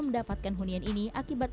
mendapatkan hunian ini akibat